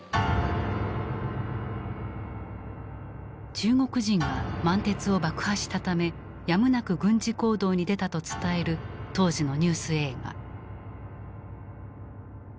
中国人が満鉄を爆破したためやむなく軍事行動に出たと伝える当時のニュース映画。